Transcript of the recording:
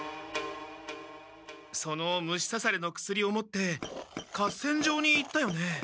その虫さされの薬を持って合戦場に行ったよね？